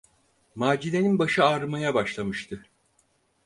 Macide’nin başı ağrımaya başlamıştı.